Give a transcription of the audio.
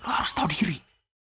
lo harus tau diri